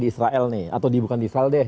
di israel nih atau bukan di israel deh